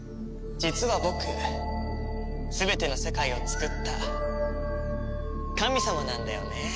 実は僕全ての世界をつくった神様なんだよね。